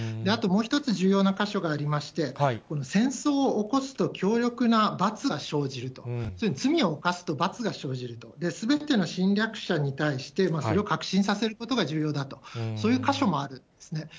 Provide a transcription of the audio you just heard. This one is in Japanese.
あともう一つ重要な箇所がありまして、この戦争を起こすと強力な罰が生じると、罪を犯すと罰が生じると、すべての侵略者に対して、それを確信させることが重要だと、そういう箇所もあるんですね。